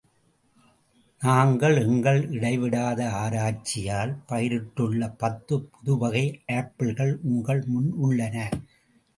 நாங்கள், எங்கள் இடைவிடாத ஆராய்ச்சியால் பயிரிட்டுள்ள பத்துப் புதுவகை ஆப்பிள்கள் உங்கள் முன் உள்ளன.